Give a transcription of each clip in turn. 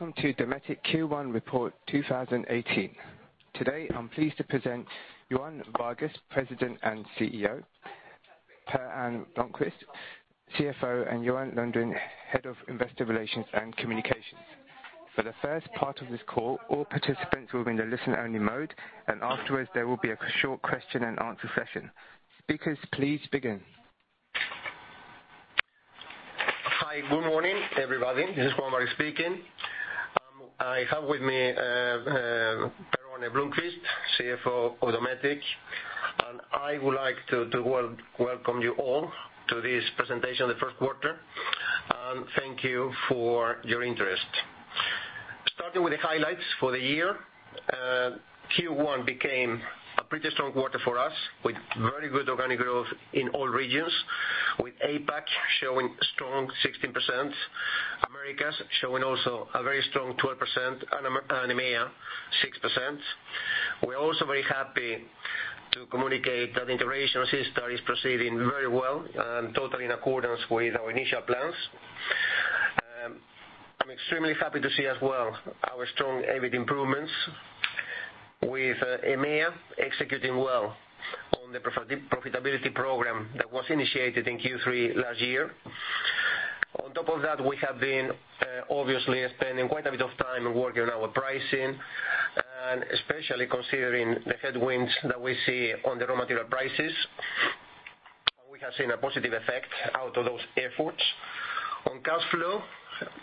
Welcome to Dometic Q1 Report 2018. Today, I'm pleased to present Juan Vargues, President and CEO, Per-Arne Blomquist, CFO, and Johan Eliason, Head of Investor Relations and Communications. For the first part of this call, all participants will be in the listen-only mode. Afterwards, there will be a short question and answer session. Speakers, please begin. Hi. Good morning, everybody. This is Juan Vargues speaking. I have with me Per-Arne Blomquist, CFO of Dometic. I would like to welcome you all to this presentation, the first quarter. Thank you for your interest. Starting with the highlights for the year. Q1 became a pretty strong quarter for us with very good organic growth in all regions, with APAC showing strong 16%, Americas showing also a very strong 12%, and EMEA 6%. We are also very happy to communicate that integration of SeaStar is proceeding very well and totally in accordance with our initial plans. I'm extremely happy to see as well our strong EBIT improvements with EMEA executing well on the profitability program that was initiated in Q3 last year. On top of that, we have been obviously spending quite a bit of time working on our pricing, especially considering the headwinds that we see on the raw material prices. We have seen a positive effect out of those efforts. On cash flow,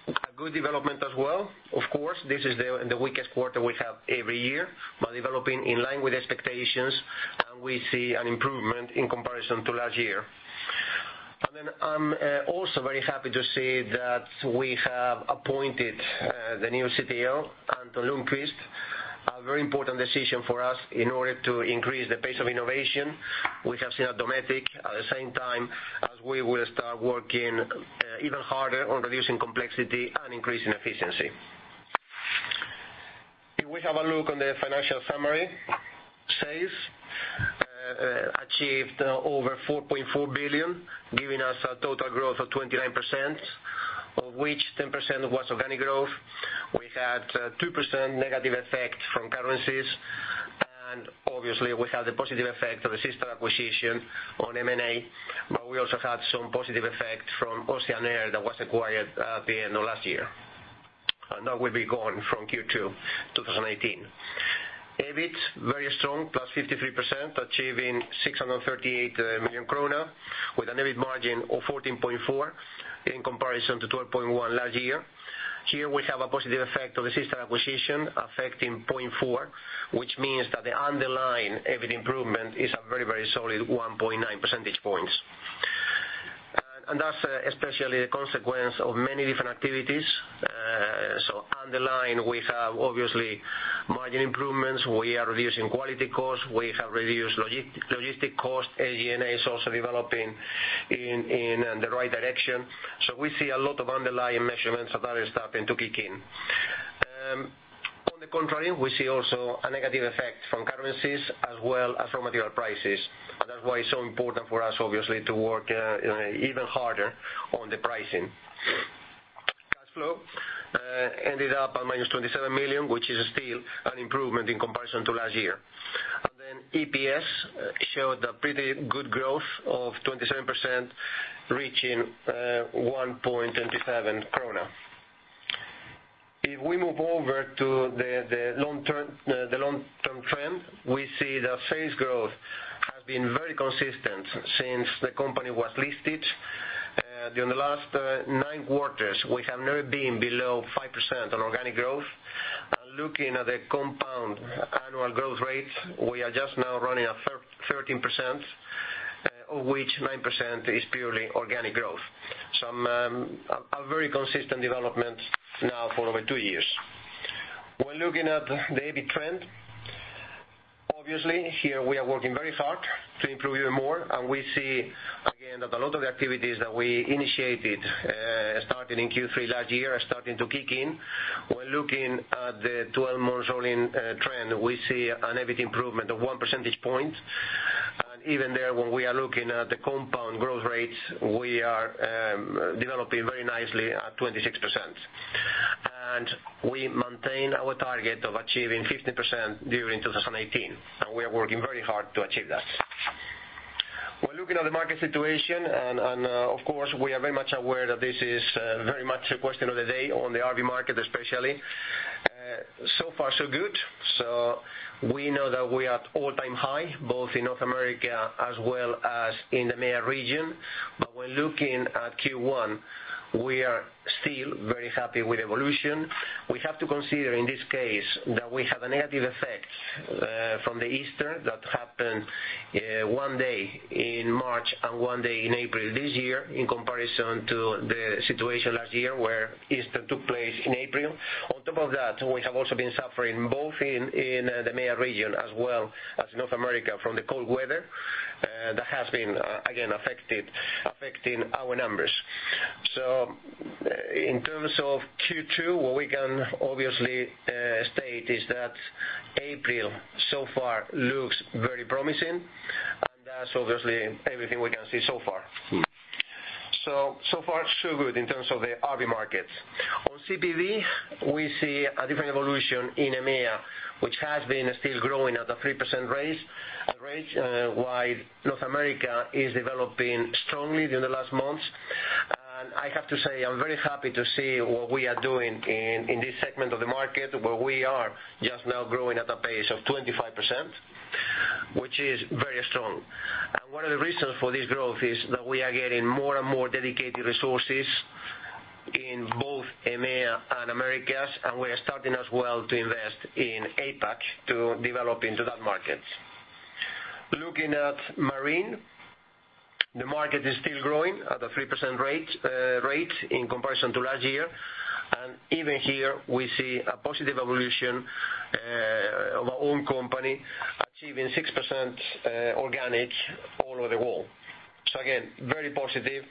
a good development as well. Of course, this is the weakest quarter we have every year, developing in line with expectations. We see an improvement in comparison to last year. I'm also very happy to say that we have appointed the new CTO, Anton Lundqvist, a very important decision for us in order to increase the pace of innovation. We have seen at Dometic at the same time as we will start working even harder on reducing complexity and increasing efficiency. If we have a look on the financial summary. Sales achieved over 4.4 billion, giving us a total growth of 29%, of which 10% was organic growth. We had 2% negative effect from currencies. Obviously, we had the positive effect of the SeaStar acquisition on M&A. We also had some positive effect from Oceanair that was acquired at the end of last year. That will be gone from Q2 2018. EBIT, very strong, +53%, achieving 638 million krona with an EBIT margin of 14.4% in comparison to 12.1% last year. Here we have a positive effect of the SeaStar acquisition affecting 0.4 percentage points, which means that the underlying EBIT improvement is a very solid 1.9 percentage points. That's especially a consequence of many different activities. Underlying, we have obviously margin improvements. We are reducing quality costs, we have reduced logistic costs. G&A is also developing in the right direction. We see a lot of underlying measurements that are starting to kick in. On the contrary, we see also a negative effect from currencies as well as from material prices. That's why it's so important for us obviously to work even harder on the pricing. Cash flow ended up at -27 million, which is still an improvement in comparison to last year. EPS showed a pretty good growth of 27%, reaching 1.27 krona. If we move over to the long-term trend, we see that sales growth has been very consistent since the company was listed. During the last nine quarters, we have never been below 5% on organic growth. Looking at the compound annual growth rate, we are just now running at 13%, of which 9% is purely organic growth. A very consistent development now for over two years. When looking at the EBIT trend, obviously here we are working very hard to improve even more, and we see again that a lot of the activities that we initiated starting in Q3 last year are starting to kick in. When looking at the 12-month rolling trend, we see an EBIT improvement of one percentage point. Even there, when we are looking at the compound growth rates, we are developing very nicely at 26%. We maintain our target of achieving 15% during 2018, and we are working very hard to achieve that. When looking at the market situation, and of course, we are very much aware that this is very much a question of the day on the RV market, especially. Far, so good. We know that we are at all-time high, both in North America as well as in the EMEA region. When looking at Q1, we are still very happy with evolution. We have to consider in this case that we have a negative effect from the Easter that happened one day in March and one day in April this year in comparison to the situation last year where Easter took place in April. On top of that, we have also been suffering both in the EMEA region as well as North America from the cold weather. That has been, again, affecting our numbers. In terms of Q2, what we can obviously state is that April so far looks very promising. That's obviously everything we can see so far. Far, so good in terms of the RV markets. On CPV, we see a different evolution in EMEA, which has been still growing at a 3% rate, while North America is developing strongly during the last months. I have to say, I'm very happy to see what we are doing in this segment of the market, where we are just now growing at a pace of 25%, which is very strong. One of the reasons for this growth is that we are getting more and more dedicated resources in both EMEA and Americas, and we are starting as well to invest in APAC to develop into that market. Looking at Marine, the market is still growing at a 3% rate in comparison to last year. Even here, we see a positive evolution of our own company achieving 6% organic all over the world. Again, very positive.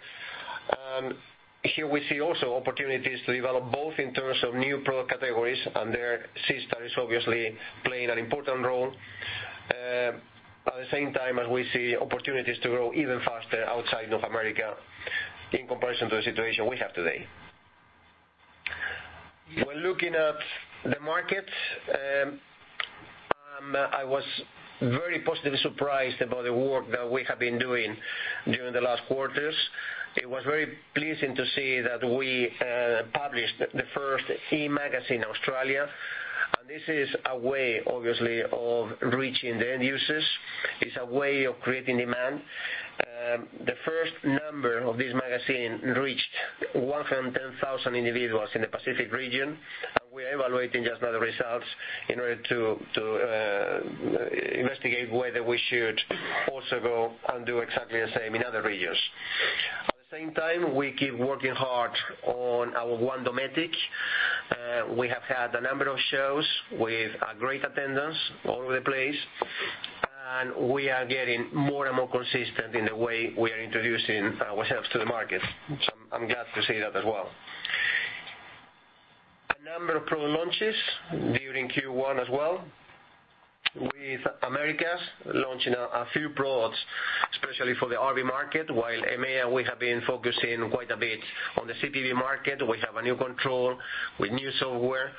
Here we see also opportunities to develop both in terms of new product categories, and there SeaStar is obviously playing an important role. At the same time as we see opportunities to grow even faster outside North America in comparison to the situation we have today. When looking at the market, I was very positively surprised about the work that we have been doing during the last quarters. It was very pleasing to see that we published the first e-magazine Australia. This is a way, obviously, of reaching the end users. It's a way of creating demand. The first number of this magazine reached 110,000 individuals in the Pacific region. We are evaluating just now the results in order to investigate whether we should also go and do exactly the same in other regions. At the same time, we keep working hard on our One Dometic. We have had a number of shows with a great attendance all over the place. We are getting more and more consistent in the way we are introducing ourselves to the market. I'm glad to see that as well. A number of product launches during Q1 as well, with Americas launching a few products, especially for the RV market. While EMEA, we have been focusing quite a bit on the CPV market. We have a new control with new software.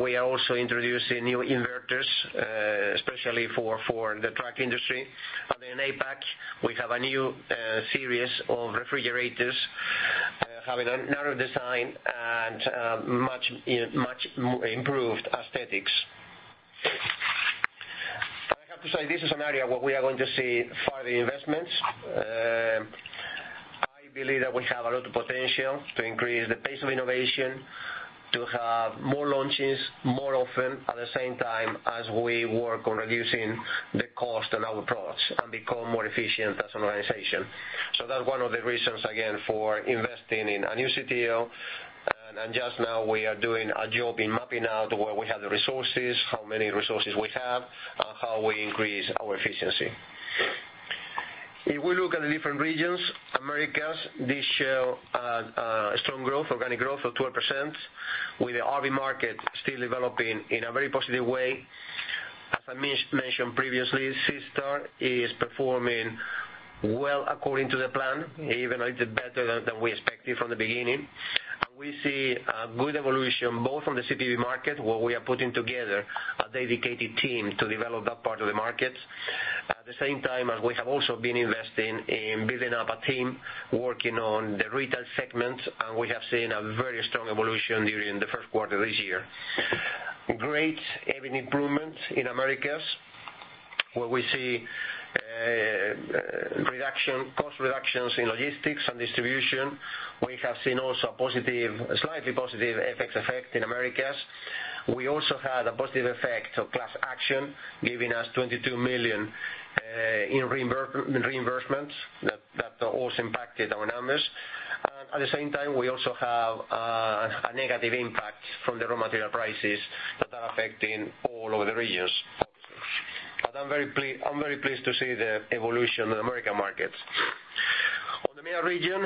We are also introducing new inverters, especially for the truck industry. Then APAC, we have a new series of refrigerators, having a narrow design and much improved aesthetics. I have to say, this is an area where we are going to see further investments. I believe that we have a lot of potential to increase the pace of innovation, to have more launches more often, at the same time as we work on reducing the cost on our products and become more efficient as an organization. That's one of the reasons, again, for investing in a new CTO. Just now we are doing a job in mapping out where we have the resources, how many resources we have, and how we increase our efficiency. If we look at the different regions, Americas, this show a strong growth, organic growth of 12%, with the RV market still developing in a very positive way. As I mentioned previously, SeaStar is performing well according to the plan, even a little better than we expected from the beginning. We see a good evolution both on the CPV market, where we are putting together a dedicated team to develop that part of the market. At the same time as we have also been investing in building up a team working on the retail segment. We have seen a very strong evolution during the first quarter of this year. Great EBIT improvement in Americas, where we see cost reductions in logistics and distribution. We have seen also a slightly positive FX effect in Americas. We also had a positive effect of class action, giving us 22 million in reimbursements. That also impacted our numbers. At the same time, we also have a negative impact from the raw material prices that are affecting all of the regions. I'm very pleased to see the evolution of the American market. On the EMEA region,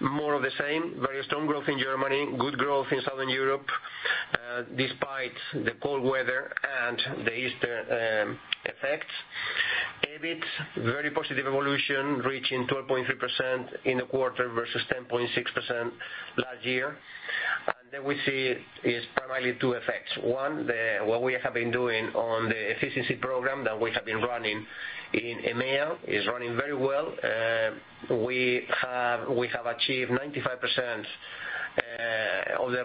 more of the same. Very strong growth in Germany, good growth in Southern Europe, despite the cold weather and the Easter effects. EBIT, very positive evolution, reaching 12.3% in the quarter versus 10.6% last year. There we see is primarily two effects. One, what we have been doing on the efficiency program that we have been running in EMEA is running very well. We have achieved 95% of the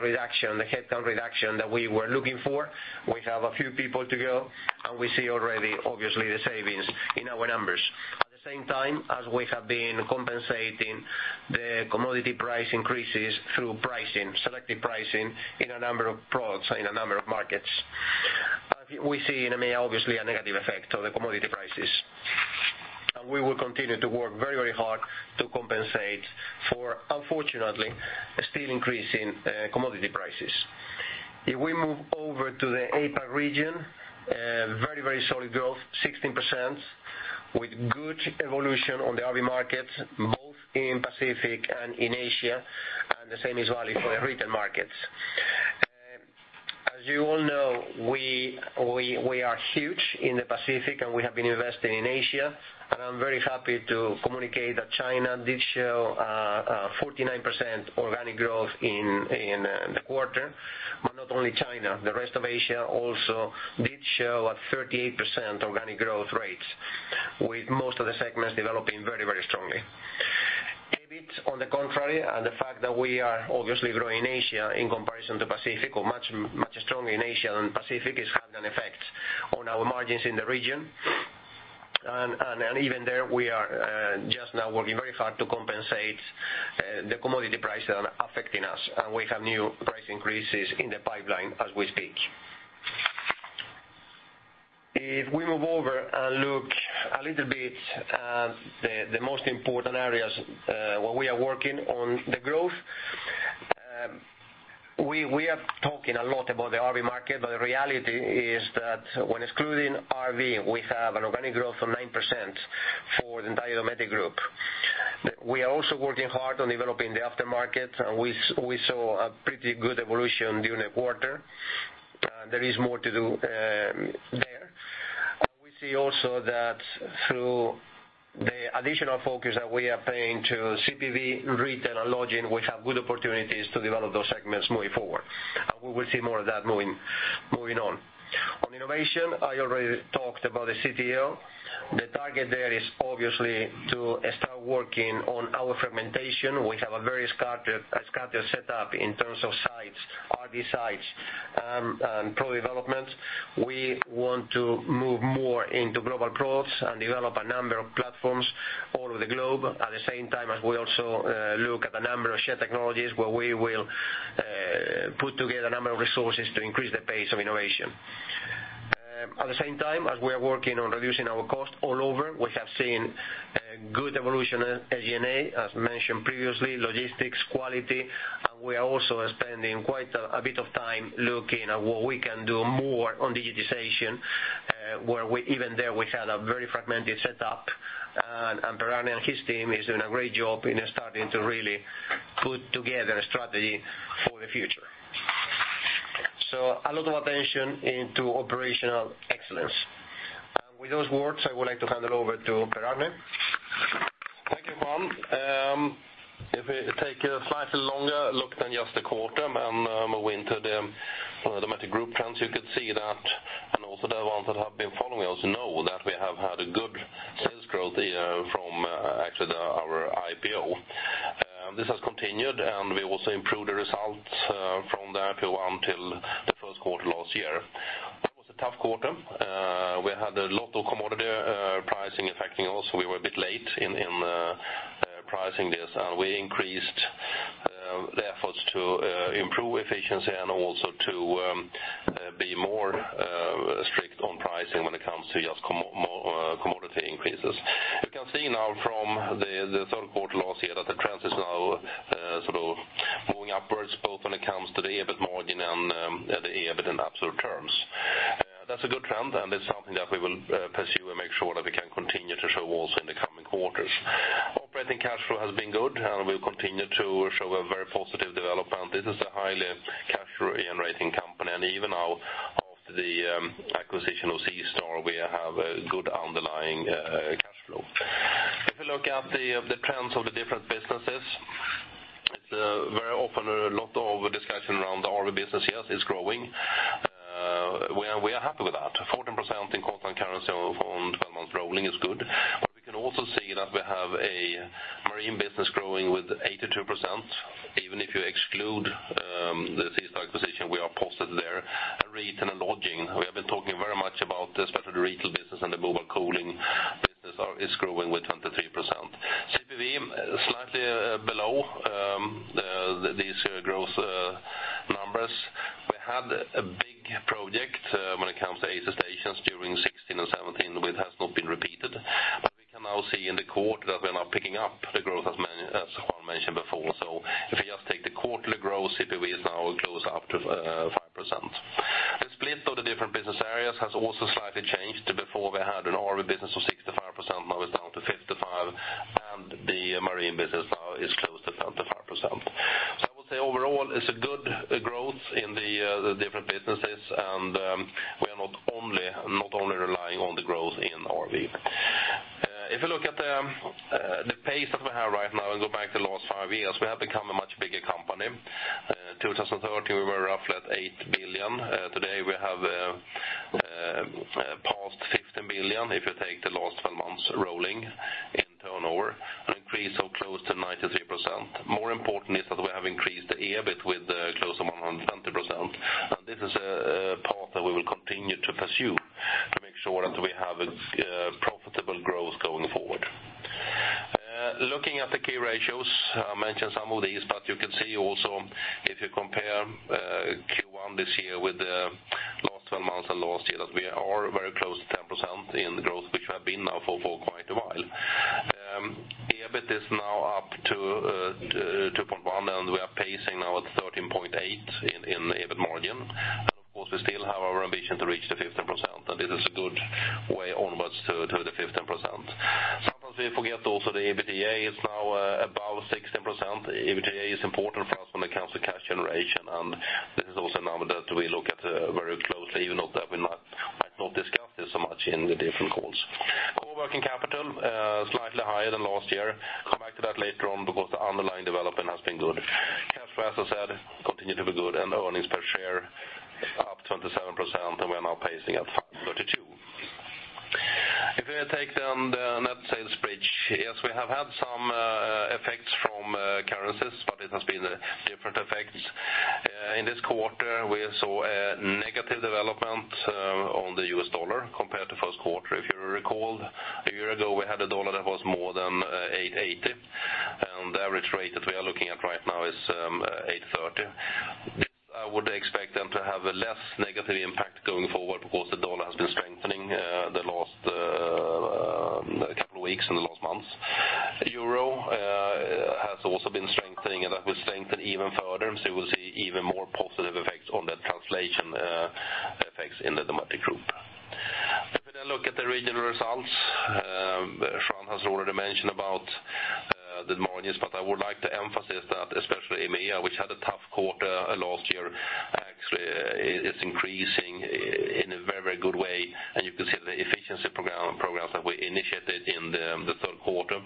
headcount reduction that we were looking for. We have a few people to go, and we see already, obviously, the savings in our numbers. At the same time as we have been compensating the commodity price increases through selective pricing in a number of products in a number of markets. We see in EMEA, obviously, a negative effect of the commodity prices. We will continue to work very hard to compensate for, unfortunately, still increasing commodity prices. If we move over to the APAC region, very solid growth, 16%, with good evolution on the RV market, both in Pacific and in Asia, and the same is valid for the retail markets. As you all know, we are huge in the Pacific and we have been investing in Asia, and I'm very happy to communicate that China did show a 49% organic growth in the quarter. Not only China, the rest of Asia also did show a 38% organic growth rate, with most of the segments developing very strongly. EBIT, on the contrary, and the fact that we are obviously growing Asia in comparison to Pacific or much stronger in Asia than Pacific, is having an effect on our margins in the region. Even there, we are just now working very hard to compensate the commodity prices that are affecting us, and we have new price increases in the pipeline as we speak. If we move over and look a little bit at the most important areas where we are working on the growth. We are talking a lot about the RV market, the reality is that when excluding RV, we have an organic growth of 9% for the entire Dometic Group. We are also working hard on developing the aftermarket, and we saw a pretty good evolution during the quarter. There is more to do there. We see also that through the additional focus that we are paying to CPV, retail, and lodging, we have good opportunities to develop those segments moving forward, and we will see more of that moving on. On innovation, I already talked about the CTO. The target there is obviously to start working on our fragmentation. We have a very scattered setup in terms of sites, RD sites, and pro development. We want to move more into global products and develop a number of platforms all over the globe. At the same time as we also look at a number of shared technologies, where we will put together a number of resources to increase the pace of innovation. At the same time, as we are working on reducing our cost all over, we have seen good evolution at G&A, as mentioned previously, logistics quality. We are also spending quite a bit of time looking at what we can do more on digitization, where even there we had a very fragmented setup, and Per-Arne and his team is doing a great job in starting to really put together a strategy for the future. A lot of attention into operational excellence. With those words, I would like to hand it over to Per-Arne. Thank you, Juan. If we take a slightly longer look than just the quarter and move into the Dometic Group trends, you could see that, and also the ones that have been following us know that we have had a good sales growth from actually our IPO. This has continued, and we also improved the results from there to until the first quarter last year. It was a tough quarter. We had a lot of commodity pricing affecting us. We were a bit late in pricing this. We increased the efforts to improve efficiency and also to be more strict on pricing when it comes to just commodity increases. You can see now from the third quarter last year that the trend is now sort of moving upwards, both when it comes to the EBIT margin and the EBIT in absolute terms. That's a good trend, and it's something that we will pursue and make sure that we can continue to show also in the coming quarters. Operating cash flow has been good, and we'll continue to show a very positive development. This is a highly cash-generating company, and even now after the acquisition of SeaStar, we have a good underlying cash flow. If you look at the trends of the different businesses, very often a lot of discussion around the RV business. Yes, it's growing. We are happy with that. 14% in constant currency on 12 months rolling is good. We can also see that we have a marine business growing with 82%. Even if you exclude the SeaStar acquisition, we are positive there. Retail and lodging, we have been talking very much about especially the retail business and the mobile cooling business is growing with 23%. CPV, slightly below these growth numbers. We had a big project when it comes to AC stations during 2016 and 2017, which has not been repeated. We can now see in the quarter that we are now picking up the growth, as Juan mentioned before. If we just take the quarterly growth, CPV is now close up to 5%. The split of the different business areas has also slightly changed. Before we had an RV business of 65%, now it's down to 55%, and the marine business now is close to 25%. I would say overall, it's a good growth in the different businesses, and we are not only relying on the growth in RV. If you look at the pace that we have right now and go back the last five years, we have become a much bigger company. 2013, we were roughly at 8 billion. Today, we have passed 15 billion, if you take the last 12 months rolling in turnover, an increase of close to 93%. This is a path that we will continue to pursue to make sure that we have profitable growth going forward. Looking at the key ratios, I mentioned some of these, but you can see also if you compare Q1 this year with the last 12 months and last year, that we are very close to 10% in growth, which we have been now for quite a while. EBIT is now up to 2.1 billion and we are pacing now at 13.8% in EBIT margin. Of course, we still have our ambition to reach the 15%, and this is a good way onwards to the 15%. Sometimes we forget also EBITDA is important for us when it comes to cash generation, and this is also a number that we look at very closely, even though that we might not discuss this so much in the different calls. Working capital, slightly higher than last year. Come back to that later on because the underlying development has been good. Cash flow, as I said, continued to be good. Earnings per share up 27%, and we are now pacing at 5.32. If we take the net sales bridge, yes, we have had some effects from currencies, but it has been different effects. In this quarter, we saw a negative development on the US dollar compared to first quarter. If you recall, a year ago, we had a dollar that was more than 8.80, and the average rate that we are looking at right now is 8.30. This I would expect to have a less negative impact going forward because the dollar has been strengthening the last couple of weeks and the last months. Euro has also been strengthening, and that will strengthen even further, so we will see even more positive effects on the translation effects in the Dometic Group. If we now look at the regional results, Juan has already mentioned about the margins, but I would like to emphasize that especially EMEA, which had a tough quarter last year, actually is increasing in a very good way, and you can see the efficiency programs that we initiated in the third quarter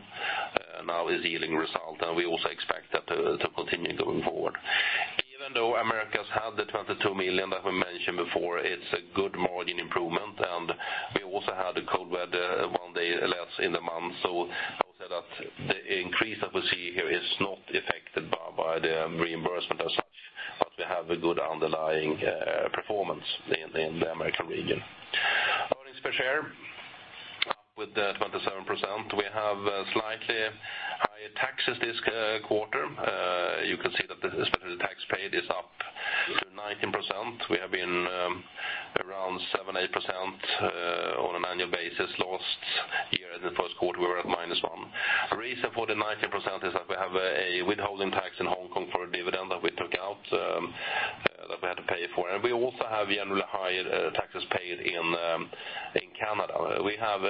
now is yielding result, and we also expect that to continue going forward. Even though Americas had the 22 million that we mentioned before, it is a good margin improvement, and we also had the cold weather, one day less in the month. So I would say that the increase that we see here is not affected by the reimbursement as such, but we have a good underlying performance in the American region. Earnings per share, up with 27%. We have slightly higher taxes this quarter. You can see that especially the tax paid is up to 19%. We have been around 7%, 8% on an annual basis last year. In the first quarter, we were at -1%. The reason for the 19% is that we have a withholding tax in Hong Kong for a dividend that we took out, that we had to pay for. We also have generally higher taxes paid in Canada. We have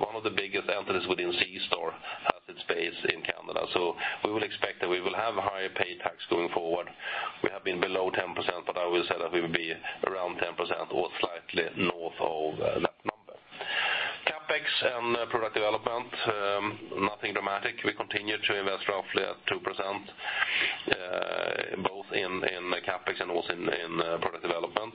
one of the biggest entities within SeaStar has its base in Canada, so we will expect that we will have a higher paid tax going forward. We have been below 10%, but I will say that we will be around 10% or slightly north of that number. CapEx and product development, nothing dramatic. We continue to invest roughly at 2%, both in CapEx and also in product development.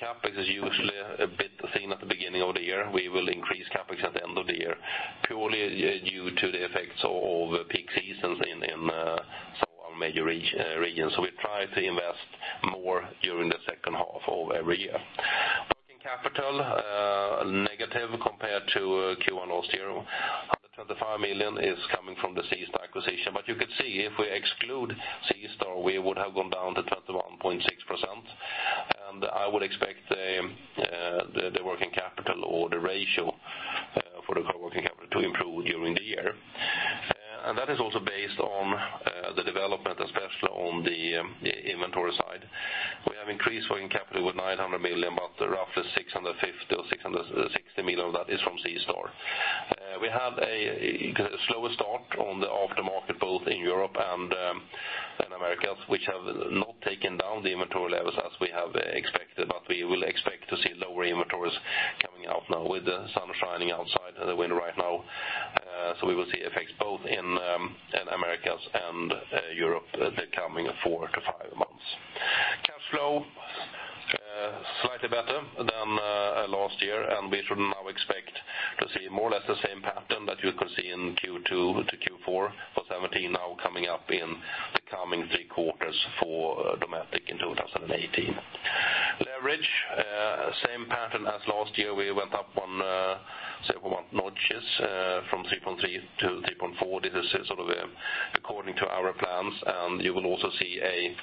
CapEx is usually a bit seen at the beginning of the year. We will increase CapEx at the end of the year, purely due to the effects of peak seasons in some of our major regions. We try to invest more during the second half of every year. Working capital, negative compared to Q1 last year. 135 million is coming from the SeaStar acquisition, but you could see if we exclude SeaStar, we would have gone down to 21.6%, and I would expect the working capital or the ratio for the working capital to improve during the year. That is also based on the development, especially on the inventory side. We have increased working capital with 900 million, but roughly 650 million, 660 million of that is from SeaStar. We have a slower start on the after-market, both in Europe and in Americas, which have not taken down the inventory levels as we have expected, but we will expect to see lower inventories coming out now with the sun shining outside the window right now. We will see effects both in Americas and Europe the coming four to five months. Cash flow, slightly better than last year, and we should now expect to see more or less the same pattern that you could see in Q2 to Q4 for 2017 now coming up in the coming three quarters for Dometic in 2018. Leverage, same pattern as last year. We went up on several notches from 3.3 to 3.4. This is according to our plans, and you will also see a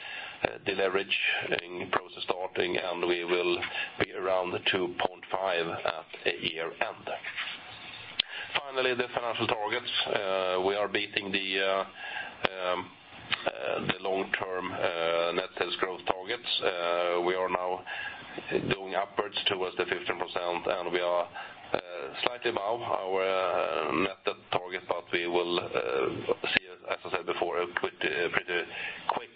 deleveraging process starting, and we will be around 2.5 at year-end. Finally, the financial targets. We are beating the long-term net sales growth targets. We are now going upwards towards the 15%, and we are slightly above our net debt target, but we will see, as I said before, a pretty quick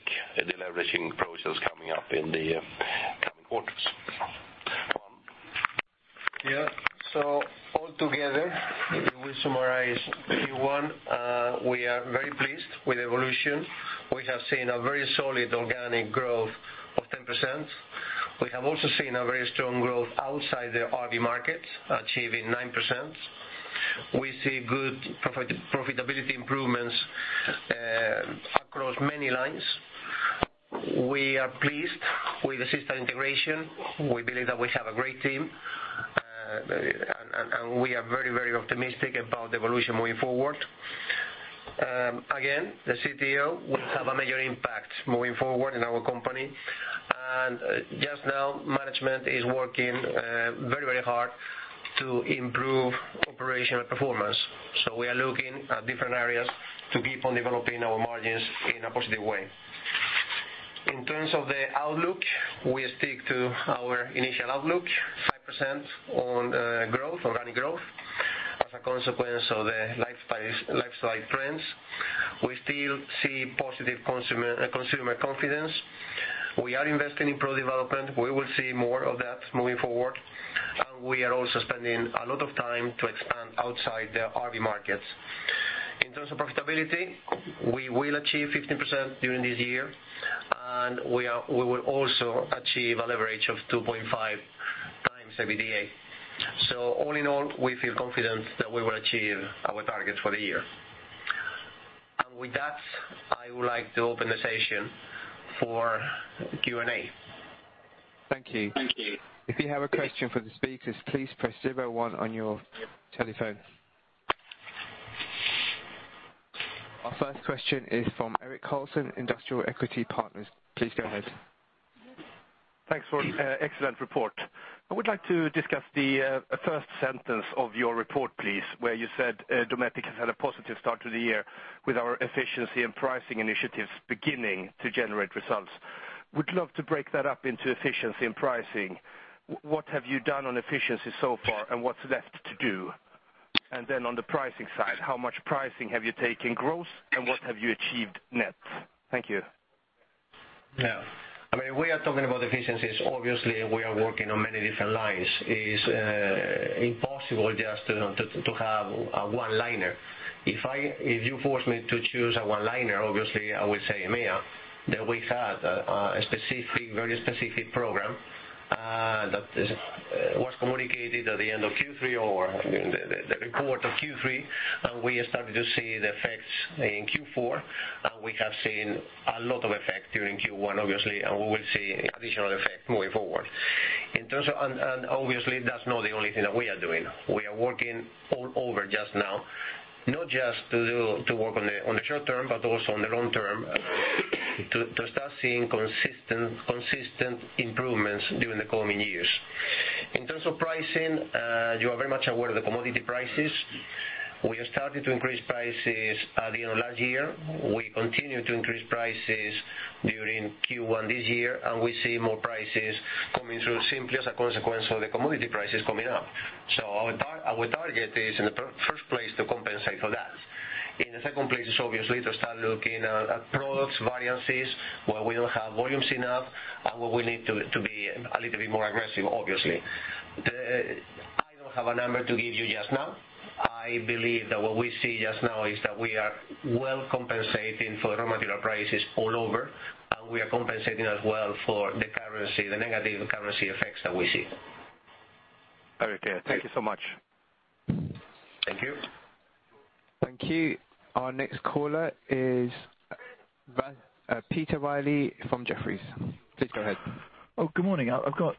deleveraging process coming up in the coming quarters. Juan? Yeah. All together, we summarize Q1. We are very pleased with evolution. We have seen a very solid organic growth of 10%. We have also seen a very strong growth outside the RV markets, achieving 9%. We see good profitability improvements across many lines. We are pleased with the SeaStar integration. We believe that we have a great team, and we are very optimistic about evolution moving forward. Again, the CTO will have a major impact moving forward in our company. Just now, management is working very hard to improve operational performance. We are looking at different areas to keep on developing our margins in a positive way. In terms of the outlook, we stick to our initial outlook, 5% on organic growth as a consequence of the lifestyle trends. We still see positive consumer confidence. We are investing in pro-development. We will see more of that moving forward. We are also spending a lot of time to expand outside the RV markets. In terms of profitability, we will achieve 15% during this year, and we will also achieve a leverage of 2.5 times EBITDA. All in all, we feel confident that we will achieve our targets for the year. With that, I would like to open the session for Q&A. Thank you. Thank you. If you have a question for the speakers, please press 01 on your telephone. Our first question is from Eirik Karlsson, Industrial Equity Partners. Please go ahead. Thanks for the excellent report. I would like to discuss the first sentence of your report, please, where you said Dometic has had a positive start to the year with our efficiency and pricing initiatives beginning to generate results. Would love to break that up into efficiency and pricing. What have you done on efficiency so far, and what's left to do? On the pricing side, how much pricing have you taken gross, and what have you achieved net? Thank you. Yeah. We are talking about efficiencies. We are working on many different lines. It's impossible just to have a one-liner. If you force me to choose a one-liner, obviously, I will say EMEA. That we had a very specific program that was communicated at the end of Q3 or the report of Q3, and we started to see the effects in Q4. We have seen a lot of effect during Q1, obviously, and we will see additional effect moving forward. That's not the only thing that we are doing. We are working all over just now, not just to work on the short term, but also on the long term to start seeing consistent improvements during the coming years. In terms of pricing, you are very much aware of the commodity prices. We have started to increase prices at the end of last year. We continue to increase prices during Q1 this year, and we see more prices coming through simply as a consequence of the commodity prices coming up. Our target is in the first place to compensate for that. In the second place is obviously to start looking at products, variances where we don't have volumes enough and where we need to be a little bit more aggressive, obviously. I don't have a number to give you just now. I believe that what we see just now is that we are well compensating for raw material prices all over, and we are compensating as well for the negative currency effects that we see. Very clear. Thank you so much. Thank you. Thank you. Our next caller is Peter Wylie from Jefferies. Please go ahead. Good morning. I've got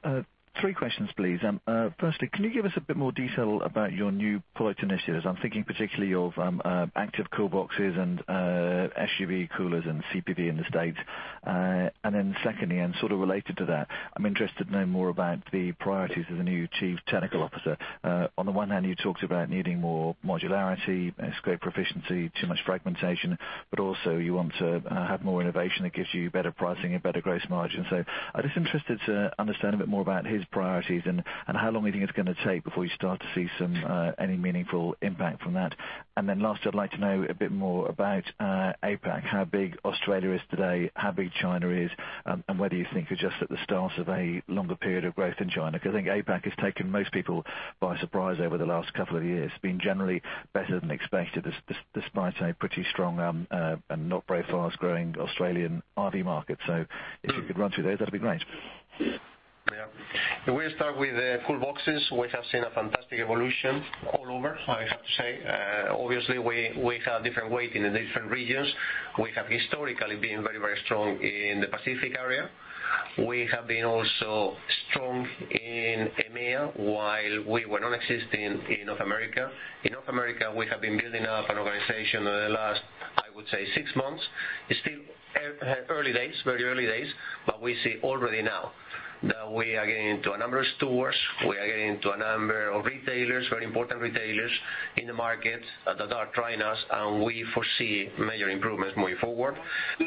three questions, please. Firstly, can you give us a bit more detail about your new product initiatives? I'm thinking particularly of active cool boxes and SUV coolers and CPV in the U.S. Secondly, and sort of related to that, I'm interested to know more about the priorities of the new Chief Technology Officer. On the one hand, you talked about needing more modularity, scale efficiency, too much fragmentation, but also you want to have more innovation that gives you better pricing and better gross margin. I'm just interested to understand a bit more about his priorities and how long you think it's going to take before you start to see any meaningful impact from that. Lastly, I'd like to know a bit more about APAC, how big Australia is today, how big China is, and whether you think you're just at the start of a longer period of growth in China. Because I think APAC has taken most people by surprise over the last couple of years, been generally better than expected, despite a pretty strong and not very fast-growing Australian RV market. If you could run through those, that'd be great. Yeah. We start with cool boxes. We have seen a fantastic evolution all over, I have to say. Obviously, we have different weight in the different regions. We have historically been very strong in the Pacific area. We have been also strong in EMEA, while we were non-existent in North America. In North America, we have been building up an organization over the last, I would say, six months. It's still early days, very early days, but we see already now that we are getting into a number of stores. We are getting into a number of retailers, very important retailers in the market that are trying us, and we foresee major improvements moving forward.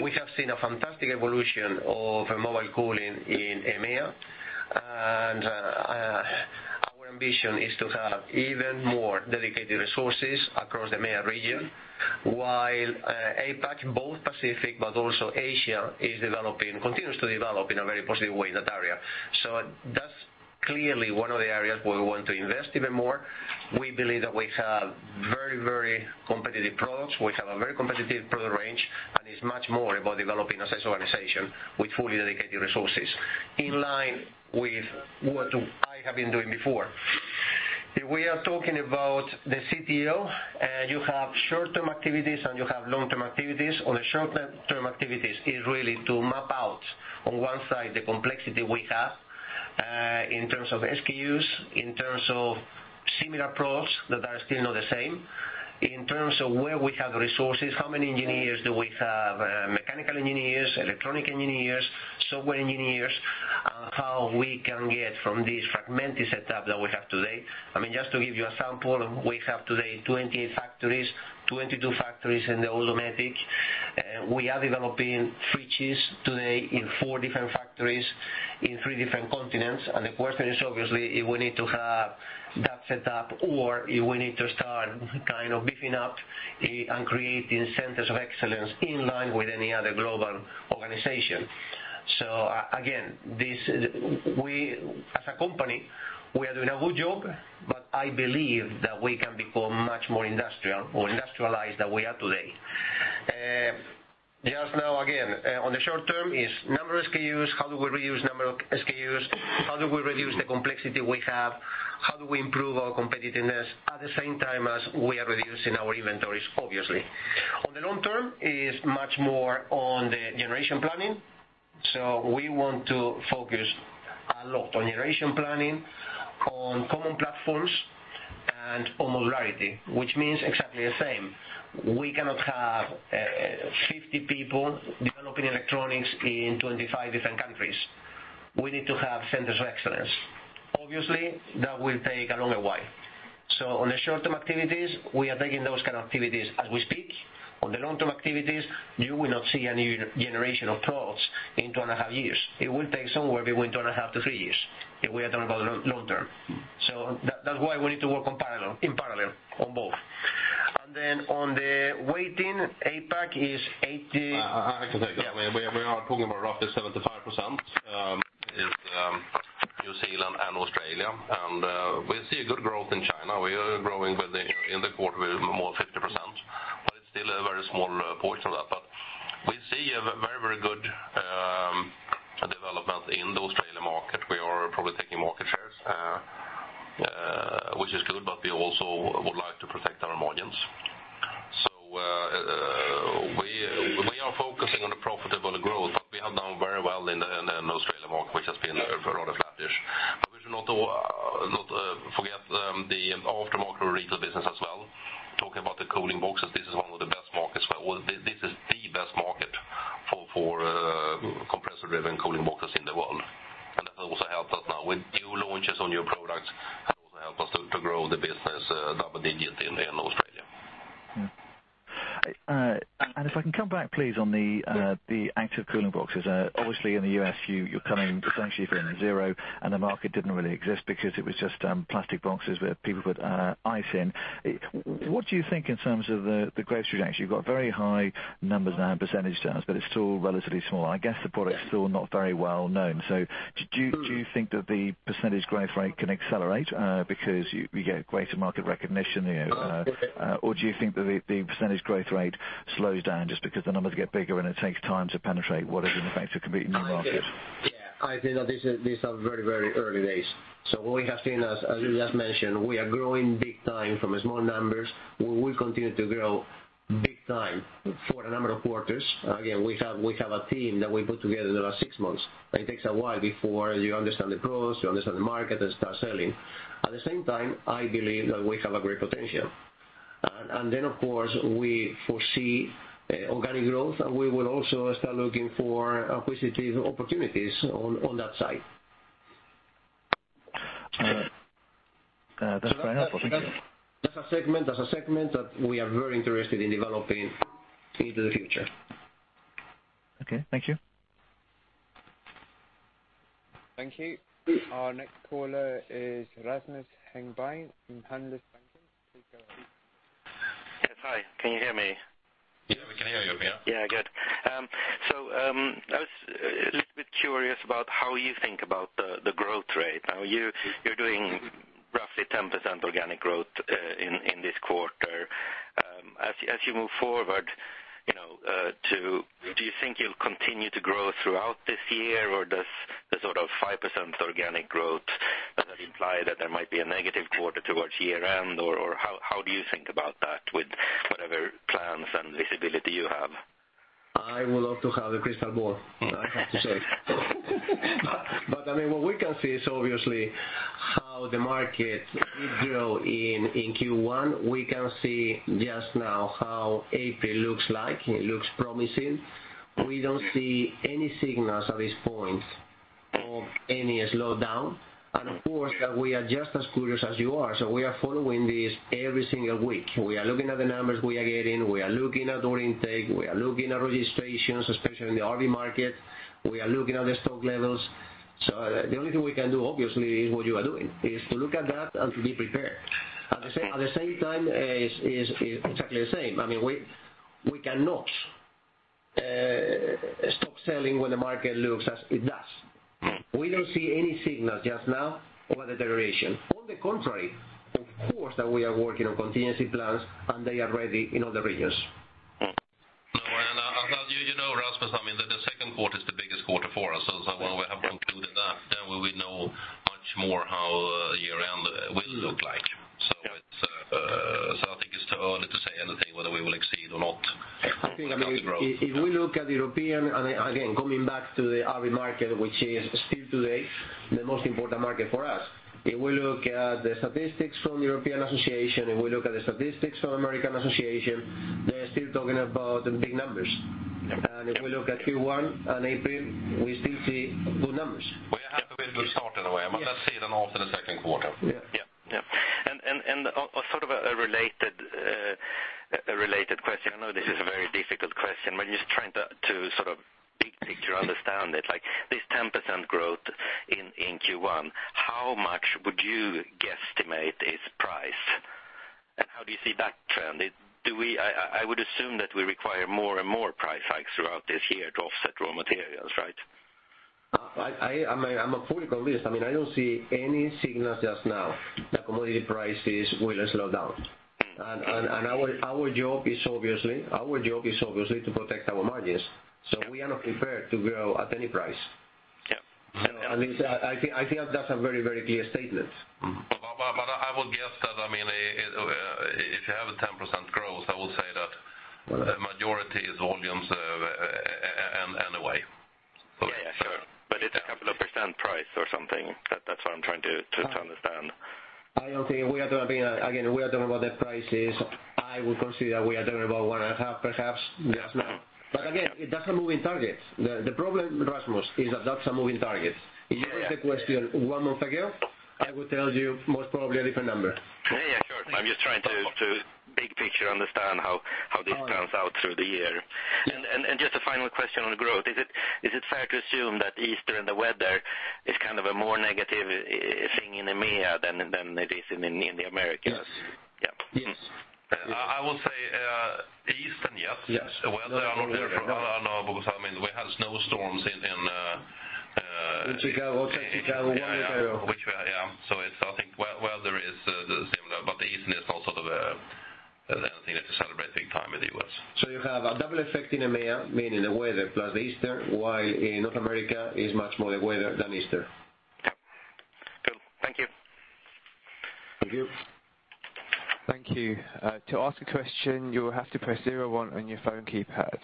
We have seen a fantastic evolution of mobile cooling in EMEA, and our ambition is to have even more dedicated resources across the EMEA region, while APAC, both Pacific but also Asia, continues to develop in a very positive way in that area. That's clearly one of the areas where we want to invest even more. We believe that we have very competitive products. We have a very competitive product range, and it's much more about developing as an organization with fully dedicated resources in line with what I have been doing before. If we are talking about the CTO, you have short-term activities, and you have long-term activities. On the short-term activities is really to map out, on one side, the complexity we have in terms of SKUs, in terms of similar products that are still not the same, in terms of where we have resources, how many engineers do we have, mechanical engineers, electronic engineers, software engineers. How we can get from this fragmented setup that we have today. Just to give you a sample, we have today 28 factories, 22 factories in the Dometic. We are developing three chips today in four different factories in three different continents. The question is obviously if we need to have that set up or if we need to start beefing up and creating centers of excellence in line with any other global organization. Again, as a company, we are doing a good job, but I believe that we can become much more industrial or industrialized than we are today. Just now, again, on the short term is number of SKUs, how do we reduce number of SKUs? How do we reduce the complexity we have? How do we improve our competitiveness at the same time as we are reducing our inventories, obviously. On the long term, is much more on the generation planning. We want to focus a lot on generation planning, on common platforms, and on modularity, which means exactly the same. We cannot have 50 people developing electronics in 25 different countries. We need to have centers of excellence. Obviously, that will take a longer while. On the short-term activities, we are taking those kind of activities as we speak. On the long-term activities, you will not see any generation of products in two and a half years. It will take somewhere between two and a half to three years if we are talking about long term. That's why we need to work in parallel on both. On the weighting, APAC is 80- I can take that. We are talking about roughly 75%, is New Zealand and Australia. We see a good growth in China. We are growing in the quarter with more than 50%, but it's still a very small portion of that. We see a very good development in the Australian market. We are probably taking market shares, which is good, but we also would like to protect our margins. We are focusing on a profitable growth, but we have done very well in the Australian market, which has been rather flattish. We should not forget the aftermarket retail business as well. Talking about the cooling boxes, this is one of the best markets, this is the best market for compressor-driven cooling boxes in the world. That also helps us now with new launches on new products, that also help us to grow the business double-digits in Australia. If I can come back, please, on the active cooling boxes. Obviously, in the U.S., you're coming essentially from 0, and the market didn't really exist because it was just plastic boxes where people put ice in. What do you think in terms of the growth trajectory? You've got very high numbers now in percentage terms, but it's still relatively small. I guess the product's still not very well known. Do you think that the percentage growth rate can accelerate because you get greater market recognition? Do you think that the percentage growth rate slows down just because the numbers get bigger, and it takes time to penetrate what is in effect a completely new market? Yeah. I think that these are very early days. What we have seen, as you just mentioned, we are growing big time from small numbers. We will continue to grow big time for a number of quarters. Again, we have a team that we put together in the last six months, it takes a while before you understand the pros, you understand the market, and start selling. At the same time, I believe that we have a great potential. Then, of course, we foresee organic growth, we will also start looking for acquisitive opportunities on that side. That's very helpful. Thank you. That's a segment that we are very interested in developing into the future. Okay. Thank you. Thank you. Our next caller is Rasmus Engberg from Handelsbanken. Please go ahead. Yes, hi. Can you hear me? Yeah, we can hear you. Yeah. Yeah, good. I was a little bit curious about how you think about the growth rate. Now, you're doing roughly 10% organic growth in this quarter. As you move forward, do you think you'll continue to grow throughout this year? Does the 5% organic growth, does that imply that there might be a negative quarter towards year end, or how do you think about that with whatever plans and visibility you have? I would love to have a crystal ball, I have to say. What we can see is obviously how the market did grow in Q1. We can see just now how April looks like. It looks promising. We don't see any signals at this point of any slowdown. Of course, we are just as curious as you are. We are following this every single week. We are looking at the numbers we are getting, we are looking at order intake, we are looking at registrations, especially in the RV market. We are looking at the stock levels. The only thing we can do, obviously, is what you are doing. Is to look at that and to be prepared. At the same time, it's exactly the same. We cannot stop selling when the market looks as it does. We don't see any signals just now of a deterioration. On the contrary, of course, that we are working on contingency plans. They are ready in all the regions. As you know, Rasmus, the second quarter is the biggest quarter for us. When we have concluded that, then we will know much more how year end will look like. I think it's too early to say anything whether we will exceed or not. If we look at European, again, coming back to the RV market, which is still today the most important market for us. If we look at the statistics from European Caravan Federation, if we look at the statistics from Recreation Vehicle Industry Association, they're still talking about the big numbers. If we look at Q1 and April, we still see good numbers. Well, you have to build a start in a way, let's see after the second quarter. Yeah. Yeah. Sort of a related question. I know this is a very difficult question, just trying to big picture understand it, like this 10% growth in Q1, how much would you guesstimate is price? How do you see that trend? I would assume that we require more and more price hikes throughout this year to offset raw materials, right? I'm fully convinced. I don't see any signals just now that commodity prices will slow down. Our job is obviously to protect our margins, we are not prepared to grow at any price. Yeah. At least, I think that's a very clear statement. I would guess that, if you have a 10% growth, I would say that majority is volumes anyway. Yeah, sure. It's a couple of % price or something, that's what I'm trying to understand. Again, we are talking about the prices. I would consider we are talking about one and a half perhaps, just now. Again, that's a moving target. The problem, Rasmus, is that that's a moving target. If you asked the question one month ago, I would tell you most probably a different number. Yeah, sure. I'm just trying to big picture understand how this pans out through the year. Just a final question on growth. Is it fair to assume that Easter and the weather is a more negative thing in EMEA than it is in the Americas? Yes. I would say Easter, yes. Yes. Weather, I don't know, because we had snowstorms. In Chicago, California. Yeah. I think weather is the same, but the Easter is also the celebrating time in the U.S. You have a double effect in EMEA, meaning the weather plus the Easter, while in North America is much more the weather than Easter. Cool. Thank you. Thank you. Thank you. To ask a question, you will have to press zero one on your phone keypad.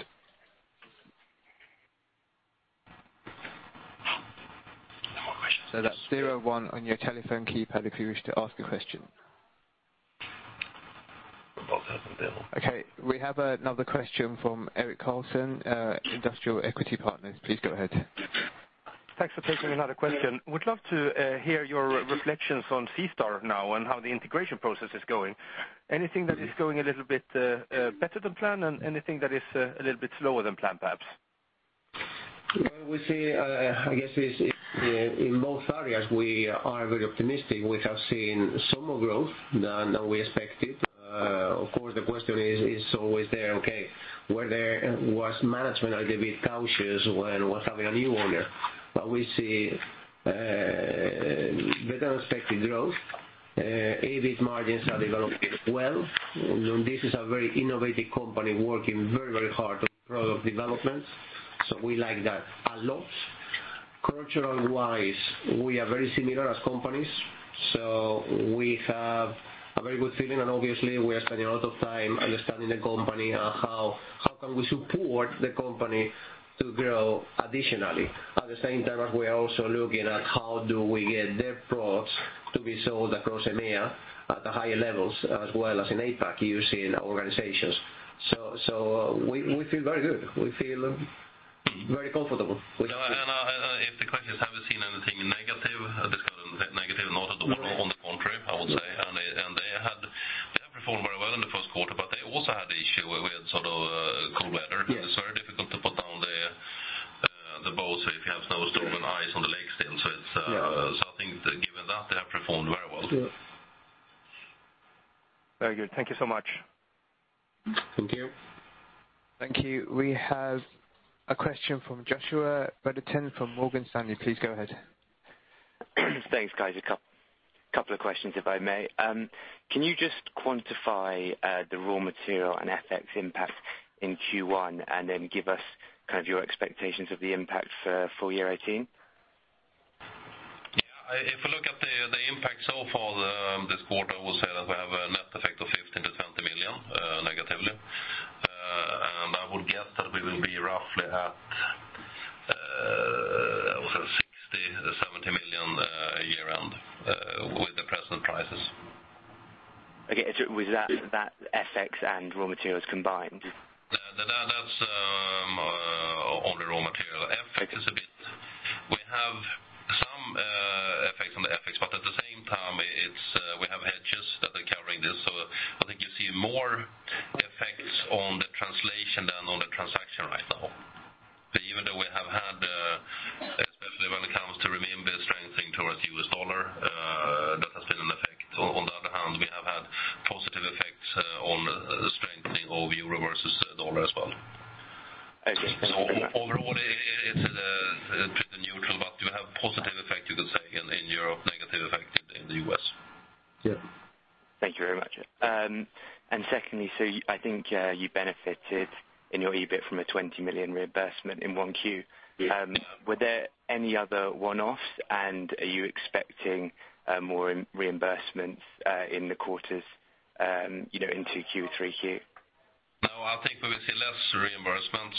No more questions. That's zero one on your telephone keypad if you wish to ask a question. We both have some demo. Okay, we have another question from Eirik Karlsson, Industrial Equity Partners. Please go ahead. Thanks for taking another question. Would love to hear your reflections on SeaStar now and how the integration process is going. Anything that is going a little bit better than planned, and anything that is a little bit slower than planned, perhaps? We see, I guess, in both areas, we are very optimistic. We have seen stronger growth than we expected. Of course, the question is always there, okay, was management a little bit cautious when was having a new owner? We see better than expected growth. EBIT margins are developing well. This is a very innovative company working very hard on product development. We like that a lot. Cultural-wise, we are very similar as companies, so we have a very good feeling and obviously we are spending a lot of time understanding the company and how can we support the company to grow additionally. At the same time as we are also looking at how do we get their products to be sold across EMEA at the higher levels as well as in APAC using our organizations. We feel very good. We feel very comfortable with that. If the question is, have you seen anything negative? Discussing negative, not at all. On the contrary, I would say. They have performed very well in the first quarter, but they also had issue with cold weather. It's very difficult to put down the boats if you have snowstorm and ice on the lakes then. I think given that, they have performed very well. Very good. Thank you so much. Thank you. Thank you. We have a question from Joshua Beddington from Morgan Stanley. Please go ahead. Thanks, guys. A couple of questions, if I may. Can you just quantify the raw material and FX impact in Q1, then give us your expectations of the impact for full year 2018? Yeah. If we look at the impact so far this quarter, I would say that we have a net effect of 15 million-20 million, negatively. I would guess that we will be roughly at 60 million-70 million year round with the present prices. Okay. Was that FX and raw materials combined? That's only raw material. FX is a bit, but we have some effects on the FX. At the same time, we have hedges that are covering this. I think you see more effects on the translation than on the transaction right now. Even though we have had, especially when it comes to the krona strengthening towards U.S. dollar, that has been an effect. On the other hand, we have had positive effects on strengthening of euro versus the U.S. dollar as well. Okay. Overall, it's pretty neutral, but you have positive effect, you could say, in Europe, negative effect in the U.S. Yeah. Thank you very much. Secondly, I think you benefited in your EBIT from a 20 million reimbursement in one Q. Yes. Were there any other one-offs, and are you expecting more reimbursements in the quarters into Q3, Q4? As reimbursements,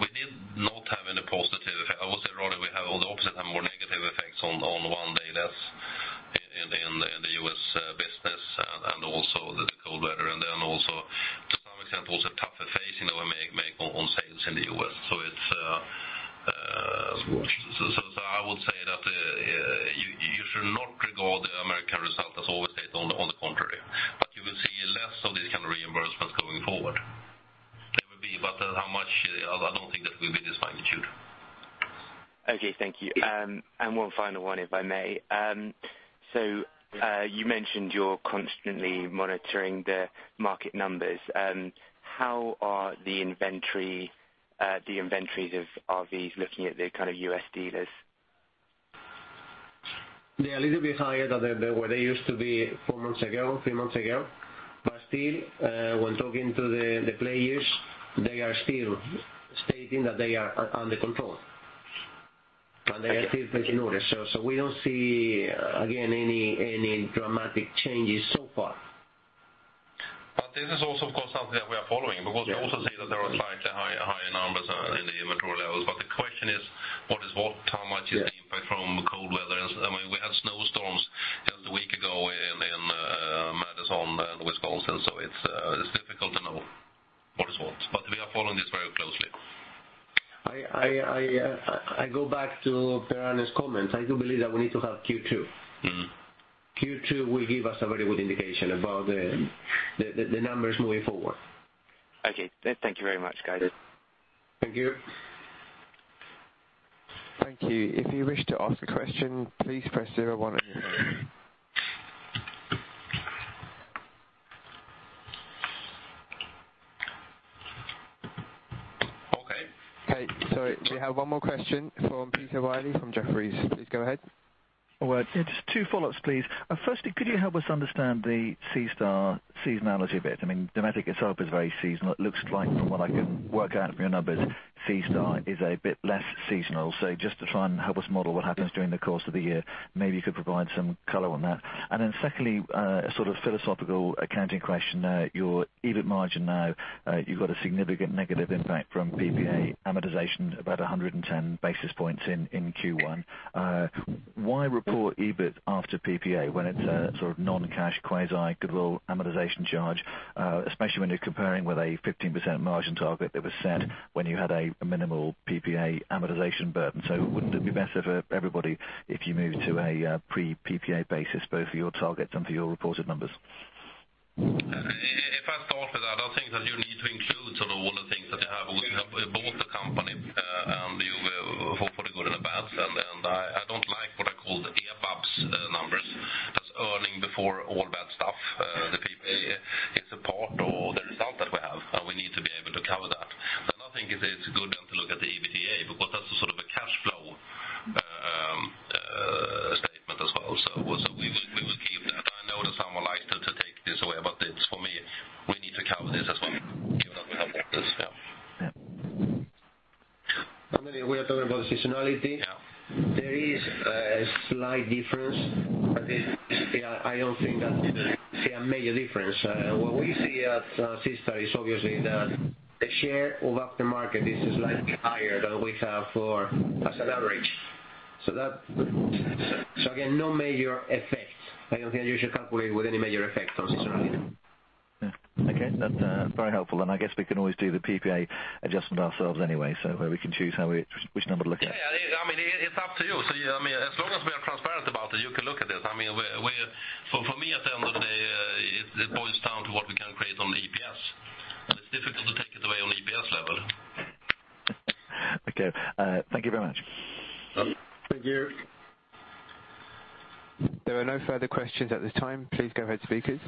we did not have any positive. I would say, rather, we have all the opposite, have more negative effects on one-off effects in the U.S. business, and also the cold weather, and then also to some extent, also tougher phasing that we make on sales in the U.S. I would say that you should not regard the American result as always said on the contrary. You will see less of these kind of reimbursements going forward. There will be, but how much, I don't think that will be this magnitude. Okay, thank you. One final one, if I may. You mentioned you're constantly monitoring the market numbers. How are the inventories of RVs looking at the U.S. dealers? They are a little bit higher than they were they used to be four months ago, three months ago. Still, when talking to the players, they are still stating that they are under control, and they are still taking orders. We don't see, again, any dramatic changes so far. This is also, of course, something that we are following, because we also see that there are slightly higher numbers in the inventory levels. The question is, what is what? How much is the impact from cold weather? I mean, we had snowstorms just a week ago in Madison and Wisconsin, so it is difficult to know what is what. We are following this very closely. I go back to Per-Arne's comments. I do believe that we need to have Q2. Q2 will give us a very good indication about the numbers moving forward. Okay. Thank you very much, guys. Thank you. Thank you. If you wish to ask a question, please press 01 on your phone. Okay. Okay. Sorry, we have one more question from Peter Wylie from Jefferies. Please go ahead. All right. It's two follow-ups, please. Firstly, could you help us understand the SeaStar seasonality a bit? I mean, Dometic itself is very seasonal. It looks like from what I can work out from your numbers, SeaStar is a bit less seasonal. Just to try and help us model what happens during the course of the year, maybe you could provide some color on that. Secondly, a sort of philosophical accounting question. Your EBIT margin now, you've got a significant negative impact from PPA amortization, about 110 basis points in Q1. Why report EBIT after PPA when it's a sort of non-cash quasi goodwill amortization charge, especially when you're comparing with a 15% margin target that was set when you had a minimal PPA amortization burden. Wouldn't it be better for everybody if you moved to a pre-PPA basis, both for your targets and for your reported numbers? If I start with that, I think that you need to include sort of all the things that you have when you have bought the company, and you will, for good or the bad, and I don't like what I call the EBABS numbers. That's earning before all bad stuff. The PPA is a part of the result that we have, and we need to be able to cover that. I think it's good then to look at the EBITDA, because that's a sort of a cash flow statement as well. We will keep that. I know that some will like to take this away, but for me, we need to cover this as well, given how it is. Yeah. I mean, we are talking about seasonality. Yeah. There is a slight difference, but I don't think that it's a major difference. What we see at SeaStar is obviously that the share of aftermarket is slightly higher than we have for as an average. Again, no major effects. I don't think you should calculate with any major effect on seasonality. Yeah. Okay. That's very helpful. I guess we can always do the PPA adjustment ourselves anyway. We can choose which number to look at. Yeah. I mean, it's up to you. I mean, as long as we are transparent about it, you can look at it. I mean, for me, at the end of the day, it boils down to what we can create on the EPS. It's difficult to take it away on EPS level. Okay. Thank you very much. Thank you. There are no further questions at this time. Please go ahead, speakers.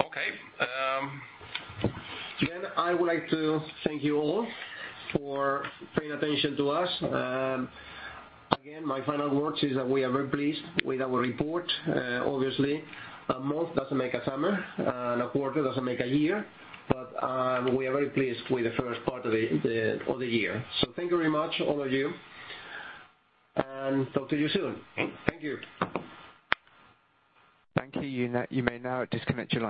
Okay. I would like to thank you all for paying attention to us. Again, my final words is that we are very pleased with our report. Obviously, a month doesn't make a summer, and a quarter doesn't make a year, but we are very pleased with the first part of the year. Thank you very much, all of you, and talk to you soon. Thank you. Thank you. You may now disconnect your line.